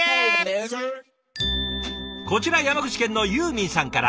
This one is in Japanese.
こちら山口県のユーミンさんから。